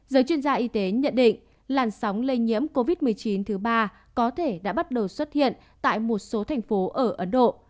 giới chuyên gia y tế nhận định làn sóng lây nhiễm covid một mươi chín thứ ba có thể đã bắt đầu xuất hiện tại một số thành phố ở ấn độ